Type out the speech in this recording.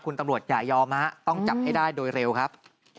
คุณตำรวจอย่ายอมต้องจับให้ได้โดยเร็วครับ